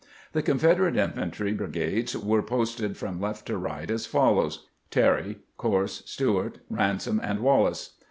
The Confederate infantry bri gades were posted from left to right as follows : Terry, Corse, Steuart, Ransom, and Wallace.